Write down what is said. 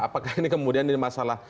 apakah ini kemudian ini masalah